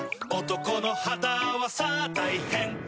「男の肌はさぁ大変」